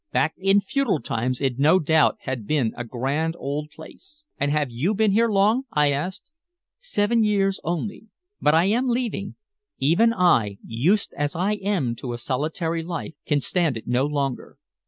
Back in feudal times it no doubt had been a grand old place. "And have you been here long?" I asked. "Seven years only. But I am leaving. Even I, used as I am to a solitary life, can stand it no longer.